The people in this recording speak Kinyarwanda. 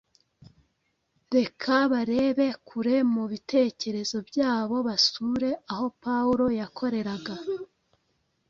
reka barebe kure mu bitekerezo byabo basure aho Pawulo yakoreraga.